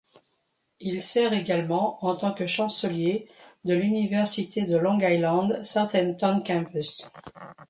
Il sert également en tant que chancelier de l'université de Long Island, Southampton Campus.